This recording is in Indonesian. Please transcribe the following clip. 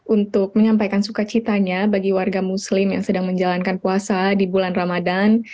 untuk menyampaikan sukacitanya bagi warga muslim yang sedang menjalankan puasa di bulan ramadan